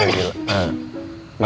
terserah kamu mas